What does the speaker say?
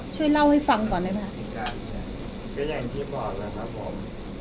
ช่วยเล่าให้ฟังก่อนได้ไหมคะก็อย่างที่บอกแหละครับผม